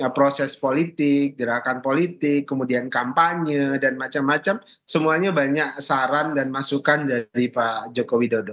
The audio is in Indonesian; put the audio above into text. proses politik gerakan politik kemudian kampanye dan macam macam semuanya banyak saran dan masukan dari pak joko widodo